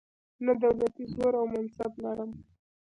نه دولتي زور او منصب لرم.